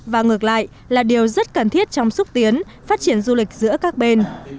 và ngược lại là điều rất cần thiết trong xúc tiến phát triển du lịch giữa các bên